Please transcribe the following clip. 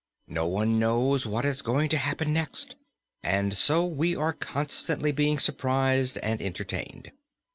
No one knows what is going to happen next, and so we are constantly being surprised and entertained.